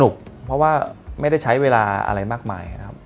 เพราะว่าไม่ได้ใช้เวลาอะไรมากมายนะครับ